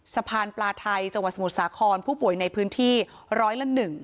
สะพานปลาไทยจังหวัดสมุทรสาครผู้ป่วยในพื้นที่ร้อยละ๑